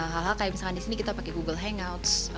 hal hal kayak misalkan di sini kita pakai google hangouts